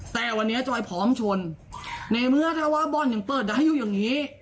แต่วันเนี้ยจอยผอมชนในเมื่อถ้าว่าบอลยังเปิดได้อยู่อย่างงี้